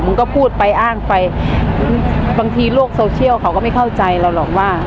มันก็พูดไปอ้างไปบางทีโลกโซเชียลเขาก็ไม่เข้าใจเราหรอกว่า